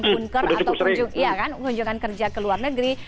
punker atau kunjungan kerja ke luar negeri